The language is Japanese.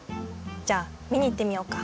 じゃあみにいってみようか。